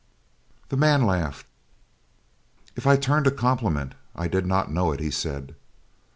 The man laughed. "If I turned a compliment, I did not know it," he said.